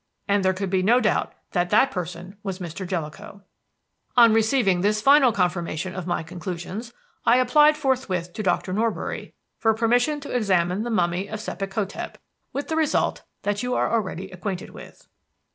And there could be no doubt that that person was Mr. Jellicoe. "On receiving this final confirmation of my conclusions, I applied forthwith to Doctor Norbury for permission to examine the mummy of Sebek hotep, with the result that you are already acquainted with."